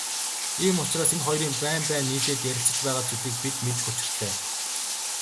Ийм учраас энэ хоёрын байн байн нийлээд ярилцаж байгаа зүйлийг бид мэдэх учиртай.